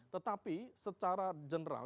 tetapi secara general